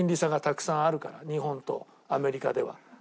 日本とアメリカでは。